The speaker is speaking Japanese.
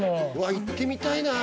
行ってみたいなあ